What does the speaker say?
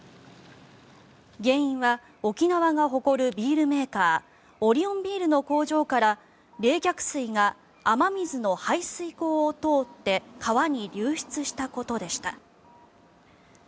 原因は沖縄が誇るビールメーカーオリオンビールの工場から冷却水が雨水の排水溝を通って川に流出したことでした。